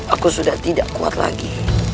aku sudah tidak kuat lagi